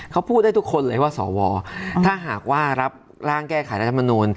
เขาพูดได้ทุกคนเลยว่าสวถ้าหากว่ารับร่างแก้ไขรัฐมนูล